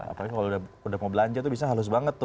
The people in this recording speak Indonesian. apalagi kalau udah mau belanja tuh bisa halus banget tuh